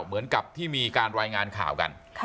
เหมือนกับที่มีการรายงานข่าวกัน